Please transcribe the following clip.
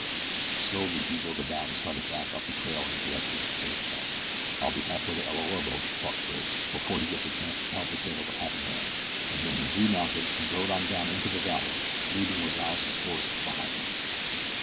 Slowly he wheeled about and started back up the trail in the direction of the Pesita camp. "I'll be halfway to El Orobo," thought Bridge, "before he gets a chance to tell Pesita what happened to him," and then he remounted and rode on down into the valley, leading Rozales' horse behind him.